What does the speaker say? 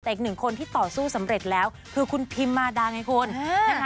แต่อีกหนึ่งคนที่ต่อสู้สำเร็จแล้วคือคุณพิมมาดาไงคุณนะคะ